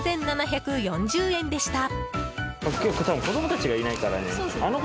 ３７４０円でした。